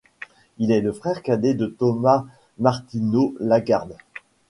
Il est le frère cadet de Thomas Martinot-Lagarde.